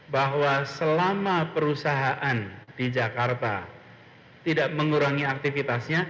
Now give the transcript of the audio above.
bahwa selama perusahaan di jakarta tidak mengurangi aktivitasnya